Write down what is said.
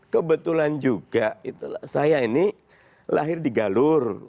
kebetulan juga saya ini lahir di galur